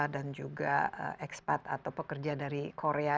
dan juga ekspat atau pekerja dari korea